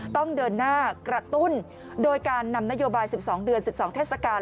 ต้องเดินหน้ากระตุ้นโดยการนำนโยบาย๑๒เดือน๑๒เทศกาล